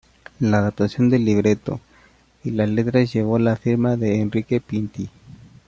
La adaptación del libreto y las letras llevó la firma de Enrique Pinti.